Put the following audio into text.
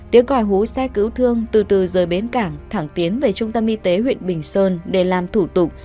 tiếng còi hố xe cứu thương từ từ rời bến cảng thẳng tiến về trung tâm y tế huyện bình sơn để làm thủ tục